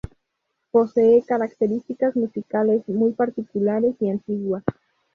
Posee características musicales muy particulares y antiguas.